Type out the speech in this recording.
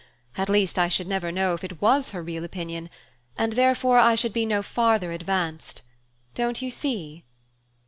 At least I should never know if it was her real opinion; and therefore I should be no farther advanced. Don't you see?"